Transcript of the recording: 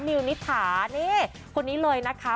วนิษฐานี่คนนี้เลยนะคะ